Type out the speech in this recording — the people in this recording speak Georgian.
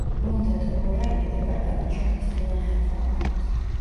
ლონდა თოლორაია დეპარტამენტს შექმნის დღიდან ხელმძღვანელობს.